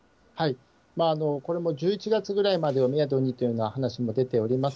これも１１月ぐらいまでをメドにという話も出ております